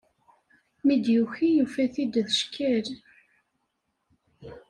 Mi d-yuki yufa-t-id d cckal!